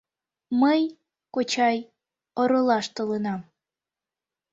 Мый, кочай, оролаш толынам.